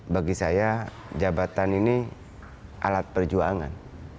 bagi saya jabatan ini alat perjuangan